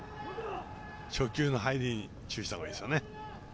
初球の入り注意したほうがいいですね